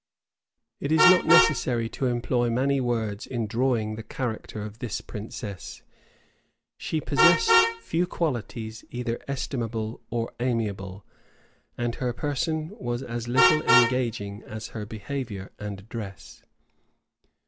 It is not necessary to employ many words in drawing the character of this princess. She possessed few qualities either estimable or amiable; and her person was as little engaging as her behavior and address.